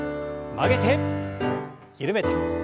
曲げて緩めて。